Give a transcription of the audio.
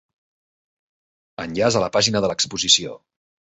Enllaç a la pàgina de l'exposició.